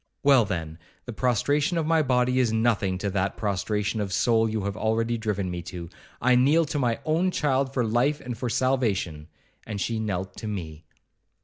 —Well, then, the prostration of my body is nothing to that prostration of soul you have already driven me to. I kneel to my own child for life and for salvation,' and she knelt to me.